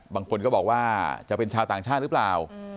บางคนก็บอกว่าจะเป็นชาวต่างชาติหรือเปล่า